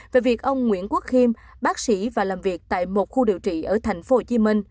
về việc ông nguyễn quốc khiêm bác sĩ và làm việc tại một khu điều trị ở tp hcm